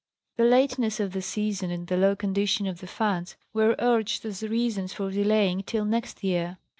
The lateness of the season and the low condition of the funds were urged as reasons for delaying till next year.